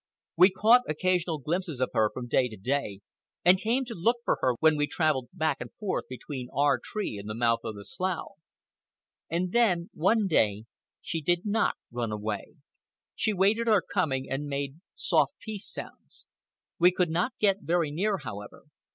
We caught occasional glimpses of her from day to day, and came to look for her when we travelled back and forth between our tree and the mouth of the slough. And then, one day, she did not run away. She waited our coming, and made soft peace sounds. We could not get very near, however.